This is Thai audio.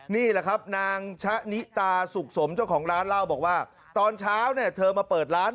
นี่แหละครับนางชะนิตาสุขสมเจ้าของร้านเล่าบอกว่าตอนเช้าเนี่ยเธอมาเปิดร้าน